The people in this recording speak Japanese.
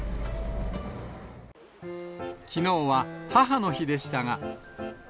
きのうは母の日でしたが。